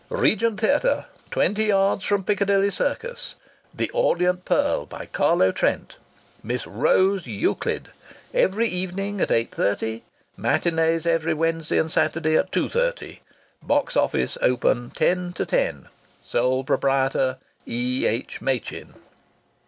"REGENT THEATRE. (Twenty yards from Piccadilly Circus.) 'The Orient Pearl,' by Carlo Trent. Miss ROSE EUCLID. Every evening at 8.30. Matinées every Wednesday and Saturday at 2.30. Box office open 10 to 10. Sole Proprietor E.H. Machin."